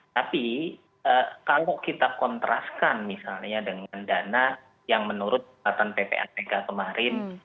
tapi kalau kita kontraskan misalnya dengan dana yang menurut kekuatan ppatk kemarin